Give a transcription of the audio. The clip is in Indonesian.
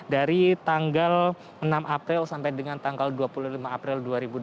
dari tanggal enam april sampai dengan tanggal dua puluh lima april dua ribu dua puluh